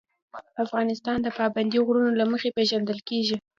افغانستان د پابندی غرونه له مخې پېژندل کېږي.